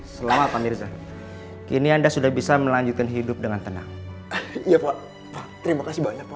selamat pak mirza kini anda sudah bisa melanjutkan hidup dengan tenang ya pak terima kasih banyak pak